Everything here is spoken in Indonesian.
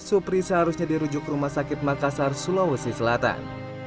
supri seharusnya dirujuk rumah sakit makassar sulawesi selatan